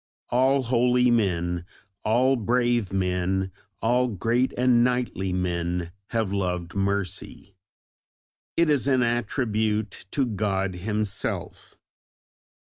All holy men, all brave men, all great and knightly men have loved mercy. "It is an attribute to God Himself."